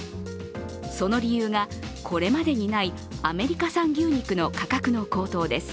その理由が、これまでにないアメリカ産牛肉の価格の高騰です。